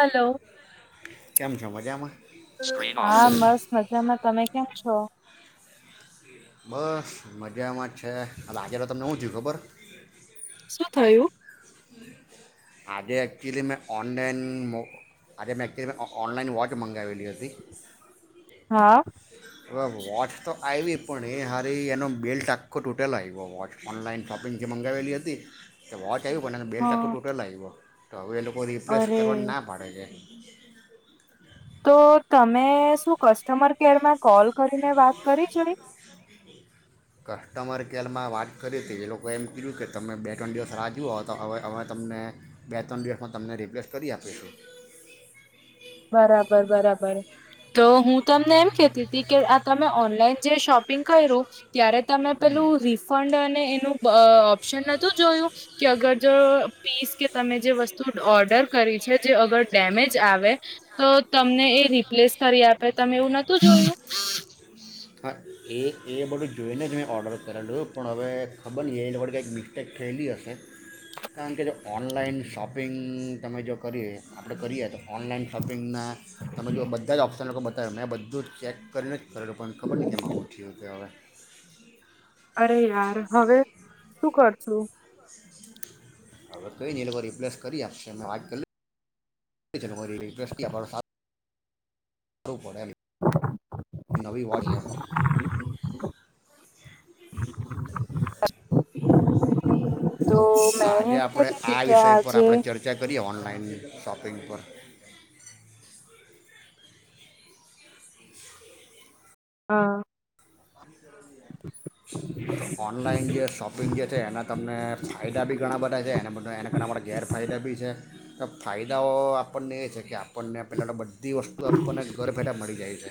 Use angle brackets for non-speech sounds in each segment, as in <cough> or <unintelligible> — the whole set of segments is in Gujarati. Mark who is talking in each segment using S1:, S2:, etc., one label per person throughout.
S1: હલો
S2: કેમ છો મજ જામા
S1: હા મસ્ત મજામાં તમે કેમ છો.
S2: બસ મજામાં જ છે આજે તો તમને હું થયુ ખબર
S1: શું થયું
S2: આજે એકક્ચ્યુલી મેં ઓનલાઈન મો આજે મેં એકક્ચ્યુલી મે ઓ ઓનલાઈન વોચ મંગાવેલી હતી.
S1: હા
S2: હવે વોચ તો આવી પણ એ હારી એનો બેલ્ટ આખો તૂટેલો આવ્યો વોચ ઓનલાઈન શોપિંગ જે મંગાવેલી હતી એ વોચ વચ આયવી પણ એનો બેલટ
S1: હા.
S2: આખો તુ ટેલો આયવો તો એ લોકો તો રિપ્લેસ
S1: અરે
S2: કરવા ના પાડે છે <inaudible>
S1: તો તમે શું કસ્ટમર કેરમાં કોલ કરીને વાત કરી જોઈ
S2: કસ્ટમર કેરમાં વાત કરીએ હતી એ લોકોએ એમ કી્યું કે તમે બે ત્રણ દિવસ રાહ જુઓ હો તો હવે અવે તમને બે ત્રણ દિવસમાં તમને રિપ્લેસ કરી આપીશું
S1: બરાબર બરાબર તો હું તમને એમ કેતી હતી કે આ તમ ઓનલાઈન જે શોપિંગ કર્યું. ત્યારે તમે પેલું રિફંડ અને એનું બ ઓપ્શન નોતું જોયું. કે અગર જો પીસ કે તમે જે વસ્તુ ઓર્ડર કરી છે જે અગર ડેમેજ આવે તો તમને એ રિપ્લેસ કરી આપે તમે એવું નતું જોયું.
S2: હા એ એ બધું જોઈને જ મેં ઓર્ડર કરેલું પણ હવે ખબર નહી એની વડ કંઈક મિસ્ટેક થયેલી હશે કારણ કે જો ઓનલાઈન શોપિંગ તમે જો કરીએ આપણે કરીએ તો ઓનલાઈન શોપિંગના તમે જો બધા જ ઓપ્શન લોકો મેં બધું ચેક કરીને જ કરેલૂ પણ ખબર ને કેમ આ ઉ થીયુ કે હવે.
S1: અરે યાર હવે શું કરશું.
S2: હવે કઈ નઈ એ લોકો રિપ્લેસ કરી આપશે મેં વાત વાત કર્લી <unintelligible> <unintelligible> મળે એમ નવી <unintelligible> તો
S1: મેં
S2: આજે
S1: એમ
S2: આપણે
S1: કેતી હતી
S2: આ
S1: કે
S2: વિષય પર
S1: આજે
S2: આપણે ચર્ચા કરીએ ઓનલા લાઇન શોપિંગ પર.
S1: હા.
S2: તો ઓનલાઈન જે શોપિંગ જે છે એના તમને ફાયદા બી ઘણા બધા છે એ એના કારણે અરા ગેરફાયદા બી છે. તો ફાયદાઓ આપણને એ છે કે આપણને પહેલાં ત બધ ધી વસ્તુ આપણને ઘર બેેઠા મળી જાય છે.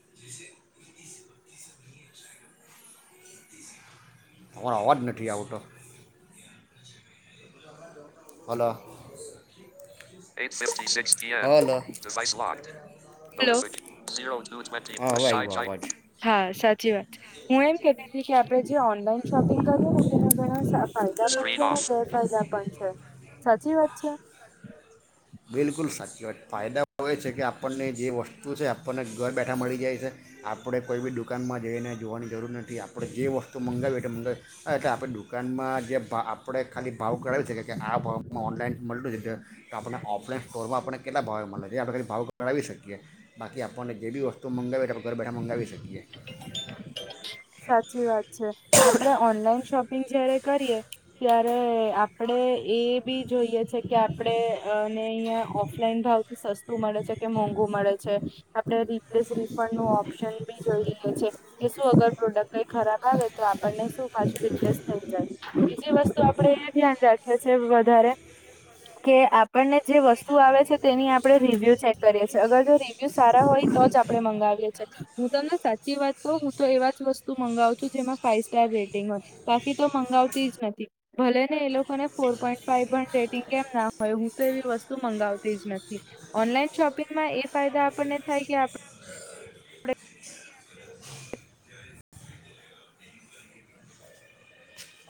S2: <inaudible> અરો અવાજ નથી આવતો. હલો <unintelligible> હાલો
S1: હલો
S2: <unintelligible> <inaudible> અવે એયવો અવાજ.
S1: હા સાચી વાત છે હું એમ કેતીતી કે આપડે જે ઓનલાઈન શોપિંગ કરી ને તેના ઘણા સાફ ફાયદા પણ છે અને ગેરફાયદા પણ છે. સાચી વાત છે?
S2: બિલકુલ સાચી વાત ફાયદા ઓ છે કે આપણને જે વસ્ત તું છે આપ આપણને ઘર બેઠા મળી જાય છે આપડે કોઈ બી દુકાનમાં જઈને જોવાની જરૂર નથી થી આપડે જે વસ્તુ મંગાવી એટલે મંગાવી એટલે આપડે દુકાનમાં જે ભા આપડે ખાલી ભાવ કરાવી શકીએ કે આ ભાવમાં ઓનલાઈન મળલું છે તો આપણને ઓફલાઈન સ્ટોરમાં આપણને કેટલા ભાવે મળે છે એ આપણે ખાલી ભાવ ઘટાવી શકીએ બાકી આપણને જે બી વસ્તુ મંગાવએ
S1: સાચી વાત છે, આપડે ઓનલાઈન શોપ શોપિંગ જયારે કરીએ ત્યારે આપડે એ બી જોઈએ છે કે આપડે અને અહીંયા ઓફલાઈન ભાવ થી સસ્તું મળે છે કે મોંઘુ મળે છે આપડે રીપ્લેસ રિફંડનું ઓ ઓપશન બી જોઈએ છે કે શું અગર પ્રોડક્ટ કઈ ખરાબ આવે તો આપણને શું પાછું રિપ્લેસ થઈ જાય બીજી વસ્તુ આપડે એ ધ્યાન રાખીએ છેએ વધારે કે આપણને જે વસ્તુ આવે છે તેની આપડે રિવ્યુ ચેક કરીએ છીએ અગર જો રિવ્યુ સારા હોય તો જ આપડે મંગાવીએ છીએ હું તમને સાચી વાત કહું, હું તો એવા જ વસ્તુ મંગાવું છું જેમાં ફાઈવ સ્ટાર રેટિંગ હોય બાકી તો મંગાવતી જ નથી ભલે ને એ લોકોને ફોર પોઈન્ટ ફાઇવ પણ રેટિંગ કેમ ના હોય હું તો એવી વસ્તુ મંગાવતી જ નથી, ઓનલાઈન શોપિંગમાં એ ફાયદા આપણને થાય કે આપ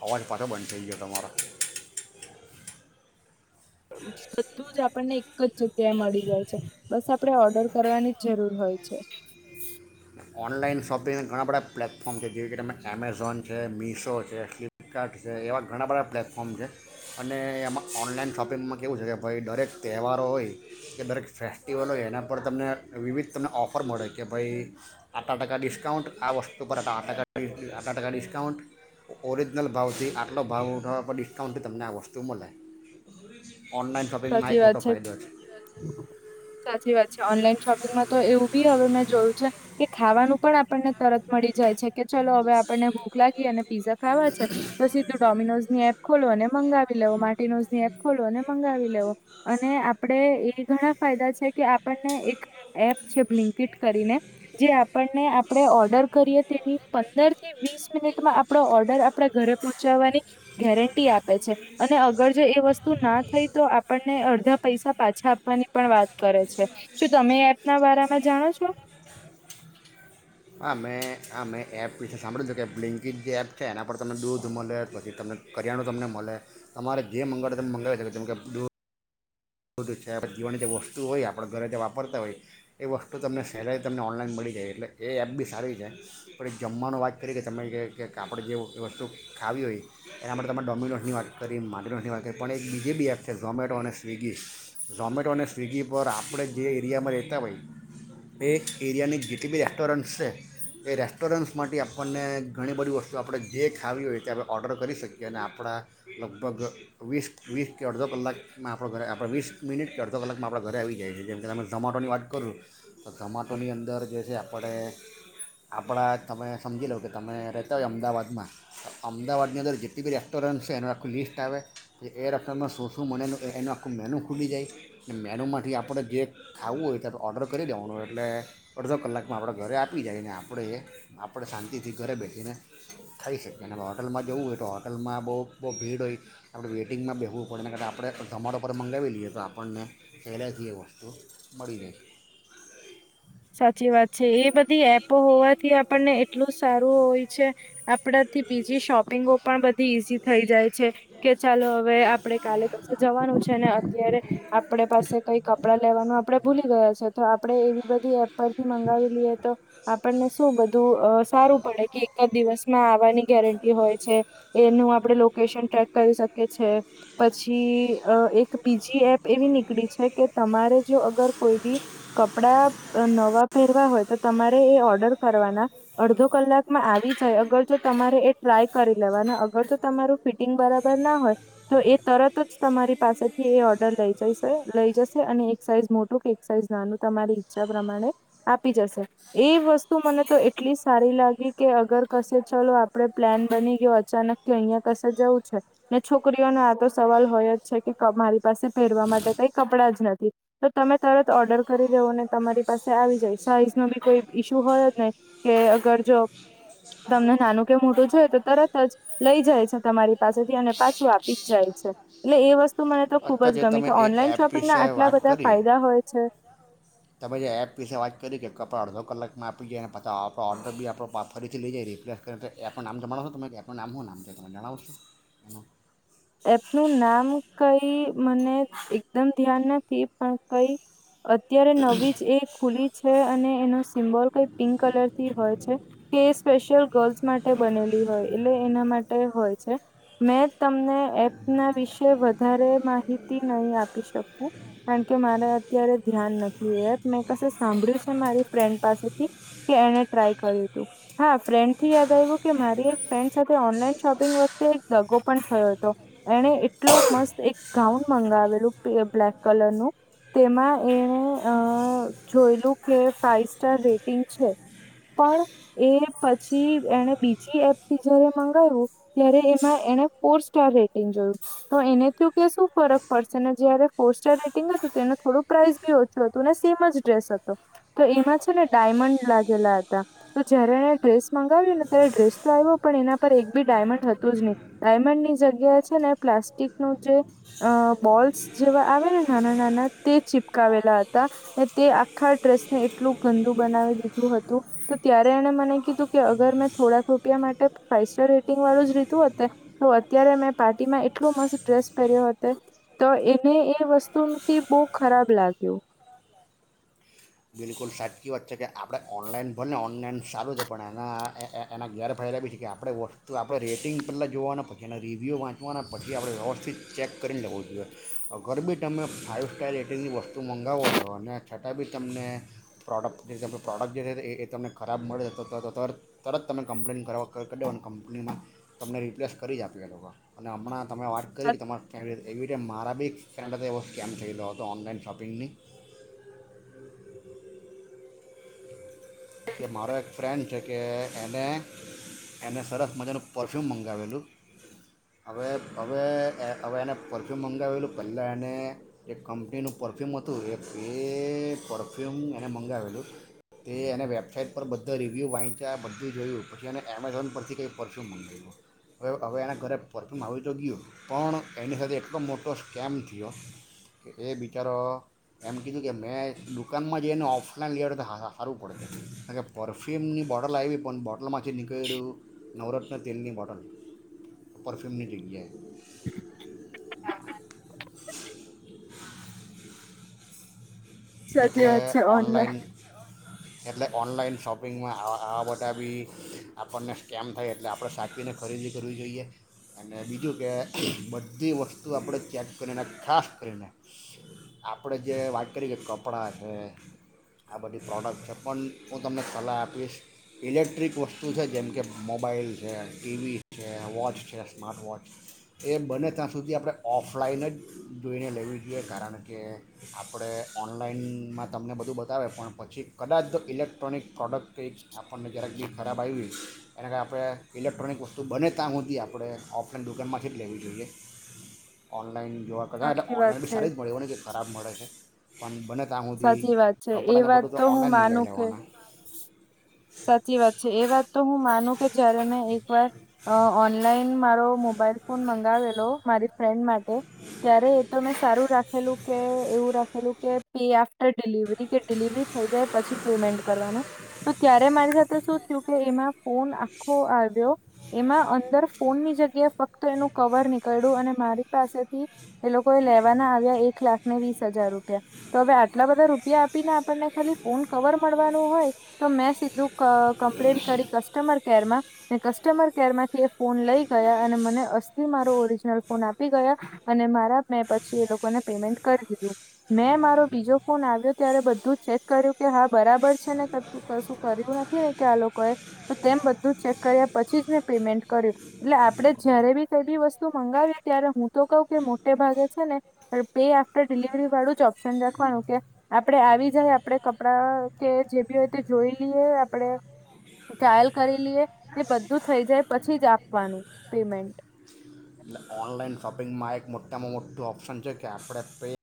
S2: અવાજ પાછો બંધ થઈ ગયો તમારો
S1: બધું જ આપણને એક જ જગ્યાએ મળી જાય છે બસ આપણે ઓર્ડર કરવાની જ જરૂર હોય છે
S2: ઓનલાઈન શોપિંગ ઘણા બધા પ્લેટફોર્મ છે જેવી કે તમે એમેઝોન છે, મિશો છે, ફ્લિપકાર્ટ છે, એવા ઘણા બધા પ્લેટફોર્મ છે અને એમાં ઓનલાઈન શોપિંગમાં કેવું છે કે ભઈ દરેક તહેવારો હોય કે દરેક ફેસ્ટિવલ હોય એના પર તમને વિવિધ તમને ઓફર મળે કે ભઈ આટલા ટકા ડિસ્કાઉન્ટ આ વસ્તુ પર આ ટ આટલા ટકા ડિસ્કાઉન્ટ ઓરિજનલ ભાવથી આટલો ભાવ ઉઠાવવા પર કાઉન્ટ તમને આ વસ્તુ મલે
S1: સાચી વાત છે, સાચી વાત છે ઓનલાઈન શોપિંગમાં તો એવું બી હવે મેં જોયું છે કે ખાવાનું પણ આપણને તરત મળી જાય છે કે ચલો હવે આપણને ભૂખ લાગી અને પીઝા ખાવા છે તો સીધું ડોમિનોઝ ની એપ બોલો અને મંગા મંગાવી મારટીનોસ ની એપ ખોલો અને મંગાવી અને આપડે એ ઘણા ફાયદા છે કે આપણને એક એપ છે, બ્લિંકિટ કરીને જે આપ આપણને આપડે ઓર્ડર કરીએ તેની પંદર થી વીસ મિનિટમાં આપડો ઓર્ડર આપડા ઘરે પહોંચાવવાની ગેરંટી આપે છે, અને અગર જો એ વસ્તુ ના થઈ તો આપણને અડધા પૈસા પાછા આપવાની પણ વાત કરે છે શું તમે એપના વારામાં જાણો છો?
S2: હા, મેં આ મેં એપ વિશે સાંભળ્યું તું કે બ્લિંકિટ જે એપ છે એના પર તમને દૂધ મલે પછી, તમને કરિયાણું તમને મલે તમારે જે મંગાવું તે મંગાવી શકે જેમ કે દૂધ દૂધ છે પછી જીવાની જે વસ્તુ હોય આપડે ઘરે જે વાપરતા હોયએ એ વસ્તુ તમને સેલાઈ તમને ઓનલાઈન મળી જાય એટલે એ એપ બી સારી છે, પણ એ જમવાનું વાત કરી કે તમે આપણે જે વસ્તુ ખાવી હોય એના માટે તમે ડોમિનોસની વાત કરી માર્ટિનોસની વાત કરી પણ એક બીજી બી એપ છે ઝોમેટો અને સ્વિગી ઝોમેટો અને સ્વિગી પર આપડે જે એરિયામાં રહેતા હોય એ એરિયાની જેટલી બી રેસ્ટોરન્ટસ છે એ રેસ્ટોરન્ટ્સ માથી આપણને ઘણી બધી વસ્તુ આપણે જે ખાવી હોય તે આપણે ઓર્ડર કરી શકીએ અને આપણા લગભગ વીસ, વીસ કે અડધો કલાકમાં આપણા ઘરે આપણે વીસ મિનિટ કે અડધો કલાકમાં આપણા ઘરે આવી જાય છે જેમ કે તમે ઝોમાટોની વાત કરુ તો ઝોમાટોની અંદર જે છે આપણે, આપણા તમે સમજી લો કે તમે રહેતા હોય અમદાવાદમાં, અમદાવાદની અંદર જેટલી બી રેસ્ટોરન્ટ છે એનું આખું લિસ્ટ આવે તો એ રેસ્ટોરન્ટમાં શું શું મને એનું એનો એક મેનુ ખુલી જાય એ મેનુમાંથી આપડે જે ખાવું હોય તો ઓર્ડર કરી દેવાનું હોય એટલે અડધો કલાકમાં આપડા ઘરે આપી જાય ને આપડે એ આપડે શાંતિથી ઘરે બેસીને ખાઈ શકીએ અને હોટલમાં જવું હોય તો હોટલમાં બહુ બહુ ભીડ હોય આપડે વેઇટિંગમાં બેહવું પડેને કારણે આપણે ઝોમાટો પર મંગાવી લઈએ તો આપણને પહેલેથી એ વસ્તુ મળી રેય
S1: સાચી વાત છે એ બધી એપો હોવાથી આપણને એટલું સારું હોય છે આપણાથી બીજી શોપિંગો પણ બધી ઈઝી થઈ જાય છે. કે ચાલો હવે આપડે કાલે કશે જવાનું છે ને અત્યારે આપડે પાસે કઈ કપડા લેવાનું આપડે ભૂલી ગયા છે તો આપડે એવી બધી એપ પરથી મંગાવી લઈએ તો આપણને શું બધું સારું પડે કે એક દિવસમાં આવવાની ગેરટી હોય છે, એનું આપણેે લોકેશન ટ્રેક કરી શકીએ છે, પછી અ એક બીજી એપ એવી નીકળી છે કે તમારે જો અગર કોઈ બી કપડા નવા પહેરવા હોય તો તમારે એ ઓર્ડર કરવાના, અડધો કલાકમાં આવી જાય, અગર જો તમારે એ ટ્રાય કરી લેવાના અગર જો તમારું ફિટિંગ બરાબર ના હોય તો એ તરત જ તમારી પાસેથી એ ઓર્ડર લઈ જશે લઈ જશે અને એક સાઈઝ મોટું કે એક સાઇઝ નાનું તમારી પ્રમાણે આપી જશે. એ વસ્તુ મને તો એટલી સારી લાગી કે અગર કશે ચલો આપડ પ્લાન બની ગયો અચાનક કે અહિયાં કશે જવું છે, ને છોકરીઓનો આ તો સવાલ હોય જ છે કે મારી પાસે પહેરવા માટે કઈ કપડાં જ નથી, તો તમે તરત ઓર્ડર કરી દેવો ને તમારી પાસે આવી જાય સાઈઝ નો બી કોઈ ઈશ્યુ હોય જ નહી કે, અગર જો તમને નાનું કે મોટું જોય તો તરત જ લઈ જાય છે. તમારી પાસેથી અને પાછું આપી જ જાય છે. એટલે એ વસ્તુ મને તો ખુબ
S2: અત્યારે
S1: જ
S2: જે
S1: ગમે
S2: તમે
S1: કે
S2: એ
S1: ઓનલાઈન
S2: એપ
S1: શોપિંગના
S2: વિશે
S1: આટલા
S2: વાત
S1: બધા
S2: કરી
S1: ફાયદા હોય છે
S2: તમે જે એપ વિશે વાત કરી કે કપડા અડધો કલાકમાં આપી જાય, અને પછા આપણો ઓર્ડર બી આપ ફરીથી લઈ જઈએ રિપ્લેસ કરી. તો એપનું નામ જણાવશો તમે એપનું નામ શું નામ છે તમે જણાવશો એનું?
S1: એપનું નામ કઈ મને એકદમ ધ્યાન નથી પણ કઈ અત્યારે નવી જ એ ખુલી છે. અને એનો સિમ્બોલ કઈ પિંક કલર થી હોય છે. કે સ્પેશિયલ ગર્લ્સ માટે બનેલી હોય, એટલે એના માટે હોય છે. મેં તમને એપ ના વિશે વધારે માહિતી નહી આપી શકું કારણકે મારે અત્યારે ધ્યાન નથી. એ એપ મેં કશે સાંભળ્યું છે, મારી ફ્રેન્ડ પાસેથી કે એને ટ્રાય કર્યું હતું. હા ફ્રેન્ડ થી યાદ આવ્યું કે, મારી એક ફ્રેન્ડ સાથે ઓનલાઈન શોપિંગ વખતે એક દગો પણ થયો હતો. એણે એટલો મસ્ત એક ગાઉન મંગાવેલું બ્લેક કલરનું. તેમાં એણે અ જોયલું કે ફાઈવ સ્ટાર રેટિંગ છે, પણ એ પછી એને બીજી એપથી જયારે મંગાવ્યું ત્યારે એમાં એને ફોર સ્ટાર રેટિંગ જોયું તો એને થ કે શું ફરક પડશે ને જયારે ફોર સ્ટાર રેટિંગ હતું તો એનું થોડું પ્રાઇસ બી ઓછું હતું અને સેમ જ ડ્રેસ હતો તો એમાં છે ને ડાયમંડ લાગેલા હતા તો જયારે એને ડ્રેસ મંગાવ્યું ને ત્યારે ડ્રેસ તો આવ્યો પણ એના પર એક બી ડાયમંડ હતું જ નહી ડાયમંડ ની જગ્યા છે, ને પ્લાસ્ટિક ન જે અ બોલ્સ જેવા આવે ને નાના નાના તે ચિપકાવેલા હતા. તે આખા ડ્રેસને એટલું ગંદુ બનાવી દીધું હતું, તો ત્યારે એણે મને કીધું કે અગર મેં થોડાક રૂપિયા માટે ફાઈવ સ્ટાર રેટિંગ વાળું જ લીધું હોત અત્યારે મેં પાર્ટીમાં એટલો મસ્ત ડ્રેસ પહેર્યો હોત તો એને એ વસ્તુથી બહુ ખરાબ લાગ્યું.
S2: બિલકુલ સાચી વાત છે કે આપણે ઓનલાઈન ભલે ઓનલાઈન સારું છે‌. પણ એના એના ગેરફાયદા એ બી છે કે આપણે વસ્તુ આપણે રેટિંગ પહેલાં જોવાના પછી, એના રિવ્યૂ વાંચવાના પછી આપણે વ્યવસ્થિત ચેક કરીને લેવું જોઈએ અગર બી તમે ફાઇવ સ્ટાર રેટિંગની વસ્તુ મંગાવો છો અને છતાં બી તમને પ્રોડક્ટ જે ત પ્રોડક્ટ જે છે. એ તમને ખરાબ મળે જતો તર તરત તમે કમ્પ્લેન કરવા કર દો અને કંપનીમાં તમને રિપ્લેસ કરી જ આપે એ લોકા અને હમણાં તમે વાત કરી કે તમારી કે મારા બી ફ્રેન્ડ એવો સ્કેમ થઈયો હતો ઓનલાઈન શોપિંગની કે મારો એક ફ્રેન્ડ છે કે એને એને સરસ મજાનું પરફ્યૂમ મંગાવેલું હવે. હવે હવે એને પરફ્યૂમ મંગાવેલું પહેલાં એને એક કંપનીનું પરફ્યૂમ હતું, એ એ પરફ્યુમ એને મંગાવેલું તે એને વેપ વેબસાઇટ પર બધા રિવ્યૂ વાંચ્યા, બધું જોયું. પછી એને એમેઝોન પરથી કંઈ પરફ્યૂમ મંગાવ્યું. હવે હવે એના ઘરે પરફ્યૂમ આવી તો ગયું. પણ એની સાથે એટલો મોટો સ્કેમ થયો કે એ બિચારો એમ કીધું કે મેં દુકાનમાં જઈને ઓફલાઈન લઈઆત તો હારું પડતે બોટલમાંથી નીકળ્યું નવરત્ન તેલની બોટલ પરફ્યુમની જગ્યાએ.
S1: <inaudible> સાચી
S2: એટલે
S1: વાત છે
S2: ઓનલાઈન
S1: ઓનલાઇન
S2: એટલે ઓનલાઈન શોપિંગમાં આવા બધા બી આપણને સ્કેમ થાય. એટલે આપણે સાચીને ખરીદી કરવી જોઈએ. અને બીજું કે બધી વસ્તુ આપણે ચેક કરીને ખાસ કરીને આપણે જે વાત કરીએ કે કપ કપડાં છે, આ બધી પ્રોડક્ટ છે, પણ હું તમને સલાહ આપીશ ઇલેક્ટ્રિક વસ્તુ છે જેમ કે મોબાઈલ છે, ટીવી છે, વોચ છે, સ્માર્ટવોચ એ બને ત્યાં સુધી આપણે ઓફલાઈન જ જોઈને લેવી જોઈએ કારણ કે આપણે ઓનલાઈનમાં તમને બધું બતાવે પણ પછી કદાચ ઇલેક્ટ્રોનિક પ્રોડક્ટ કંઈક આપણને જ્યારેક બી ખરાબ આયવી, એના કારણે આપણે ઇલેક્ટ્રોનિક વસ્તુ બને તા‌ હુધી આપણે ઓફલાઈન દુકાનમાંથી જ લેવી જોઈએ. ઓનલાઈન ઓનલાઈન જોવા કરતા. એટલે
S1: સાચી વાત
S2: ઓનલાઈન બી
S1: છે.
S2: સારી જ મળે એવુ ની‌ કે ખરાબ મળે છે. પન બને ત્યાં સુધી
S1: સાચી વાત છે એ
S2: કપડાંને
S1: વાત
S2: બધું
S1: તો હું
S2: ઓનલાઈન
S1: માનું
S2: મંગાવી
S1: કે
S2: લેવાના
S1: સાચી વાત છે એ વાત તો હું માનું કે જયારે મેં એકવાર ઓનલાઇન મારો મોબાઈલ ફોન મંગાવેલો મારી ફ્રેન્ડ માટે ત્યારે એ તો મે સારું રાખ ખેલું કે એવું રાખેલું કે, પે આફ્ટર ડિલિવરી કે ડિલિવરી થઈ જાય પછી પેમેન્ટ કરવાનું ત્યારે મારી સાથે શું થયું કે એમાં ફોન આખો આવ્યો એમાં અંદર ફોનની જગ્યાએ ફક્ત એનું કવર નીકળ્યું અને મારી પાસેથી એ લોકો એ લેવાના આવ્યા એક લાખને વીસ હજાર રૂપિયા. તો હવે આટલા બધા રૂપિયા આપીને આપણને ખાલી ફોન કવર મળવાનો હોય તો મેં સીધું ક કમ્પ્લેન કરી કસ્ટમર કેરમાં ને કસ્ટમર કેરમાંથી એ ફોન લઈ ગયા અને મને અસ્થી મારો ઓરિજિનલ ફોન આપી ગયા અને મારા મેં પછી એ લોકોને પેમેન્ટ કરી દીધું મેં મારો બીજો ફોન આવ્યો ત્યારે બધું ચેક કર્યું કે હા બરાબર છે ને કશું કર્યું નથી ને કે આ લોકોએ તો તેમ બધું ચેક કર્યા પછી જ મેં પેમેન્ટ કર્યું એટલે આપડે જયારે બી કઈ બી વસ્તુ મંગાવી ત્યારે હું તો કહુ કે મોટે ભાગે છે ને પે આફ્ટર ડિલિવરી વાળું જ ઓપ્શન રાખવાનું કે આપણે આવી જાય આપણે કપડા કે જે બી તે જોઈ લઈએ આપણે ટ્રાયલ કરી લઈએ કે બધું થઈ જાય પછી જ આપવાનું પેમેન્ટ.
S2: એટલે ઓનલાઈન શોપિંગમાં એક મોટામાં મોટું ઓપ્શન છે કે આપડ પે